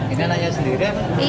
ini anaknya sendiri ya